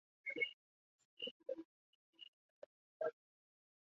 该局的前身是中央军委办公厅警卫处。